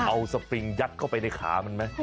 เอาสปริงยัดเข้าไปในขามันไหม